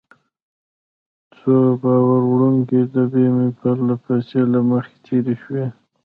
څو بار وړونکې ډبې مې پرله پسې له مخې تېرې شوې.